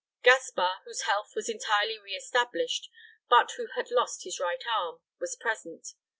Gaspar, whose health was entirely re established, but who had lost his right arm, was present.